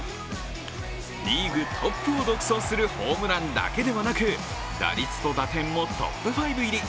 リーグトップを独走するホームランだけではなく打率と打点もトップ５入り。